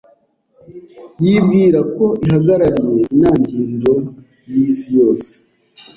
yibwira ko ihagarariye intangiriro yisi yose